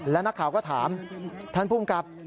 และนักข่าวก็ถามท่านภูมิกับ